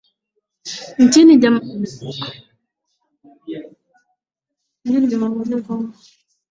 nchini Jamhuri ya Kidemokrasi ya Kongo wakituhumiwa kuuza silaha kwa kundi la wanamgambo